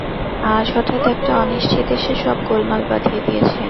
আজ হঠাৎ একটা অনিশ্চিত এসে সব গোলমাল বাধিয়ে দিয়েছে।